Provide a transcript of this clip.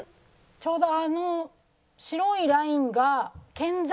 ちょうどあの。